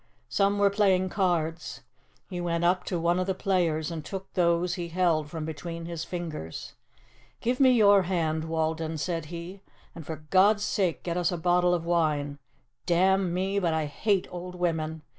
Some were playing cards. He went up to one of the players and took those he held from between his fingers. "Give me your hand, Walden," said he, "and for God's sake get us a bottle of wine. Damn me, but I hate old women!